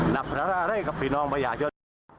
นับพระราะห์ได้กับพี่น้องประหยาชน